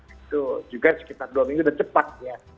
itu juga sekitar dua minggu sudah cepat ya